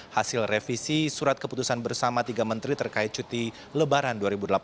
hasil revisi surat keputusan bersama tiga menteri terkait cuti lebaran dua ribu delapan belas